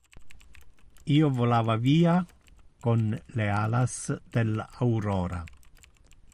Io volava via con le alas del aurora.